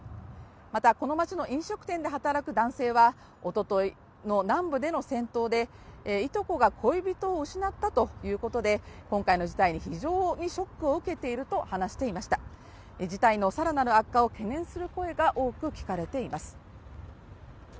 また、この街の飲食店で働く男性はおとといの南部での戦闘でいとこが恋人を失ったということで今回の事態に非常にショックを受けていると話していました事態の更なる悪化を懸念する声が多く聞かれています。